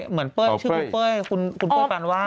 เหมือนเป้ยเชื่อทุกเป้ยคุณโป้ปานวาด